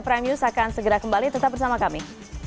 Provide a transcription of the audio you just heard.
prime news akan segera kembali tetap bersama kami